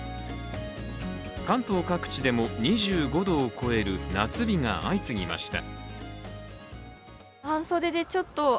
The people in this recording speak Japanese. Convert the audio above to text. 関東各地でも、２５度を超える夏日が相次ぎました。